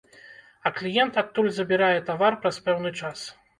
А кліент адтуль забірае тавар праз пэўны час.